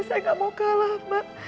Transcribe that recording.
saya gak mau kalah mbak